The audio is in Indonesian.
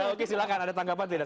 oke silahkan ada tanggapan tidak